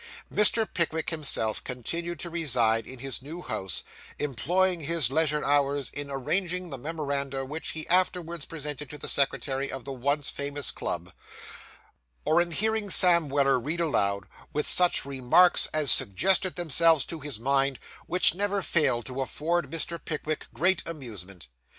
Mr. Pickwick himself continued to reside in his new house, employing his leisure hours in arranging the memoranda which he afterwards presented to the secretary of the once famous club, or in hearing Sam Weller read aloud, with such remarks as suggested themselves to his mind, which never failed to afford Mr. Pickwick great amusement.